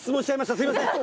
すみません！